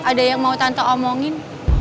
ada yang mau tanto omongin